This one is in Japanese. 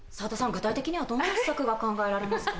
具体的にはどんな施策が考えられますか？